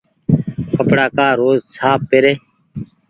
ڪپڙآ ڪآ روز ساڦ پيري۔